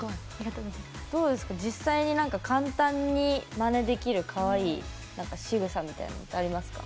実際に簡単にまねできるかわいいしぐさみたいなのありますか？